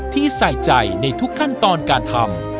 ที่ใส่ใจในทุกขั้นตอนการทำ